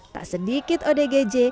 tak sedikit odgj